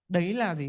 đấy là gì